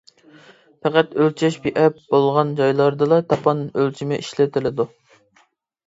پەقەت ئۆلچەش بىئەپ بولغان جايلاردىلا تاپان ئۆلچىمى ئىشلىتىلىدۇ.